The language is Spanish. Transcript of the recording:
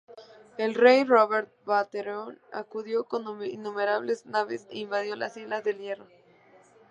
El rey Robert Baratheon acudió con innumerables naves e invadió las Islas del Hierro.